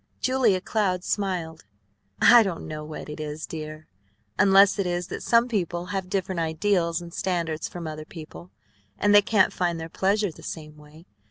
Julia Cloud smiled. "I don't know what it is, dear, unless it is that some people have different ideals and standards from other people, and they can't find their pleasure the same way.